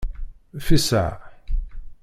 Fisaε!